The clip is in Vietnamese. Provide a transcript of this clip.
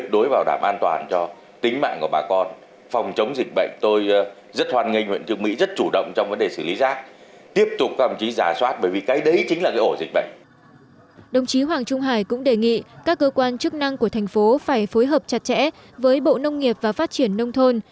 đồng chí hoàng trung hải cũng đề nghị các cơ quan chức năng của thành phố phải phối hợp chặt chẽ với bộ nông nghiệp và phát triển nông thôn